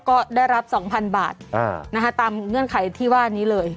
ก็ได้รับ๒๐๐๐บาทตามเงื่อนไขที่ว่านี้เลย